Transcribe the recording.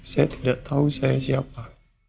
saya tidak tahu saya siapa